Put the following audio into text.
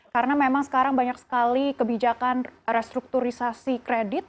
karena memang sekarang banyak sekali kebijakan restrukturisasi kredit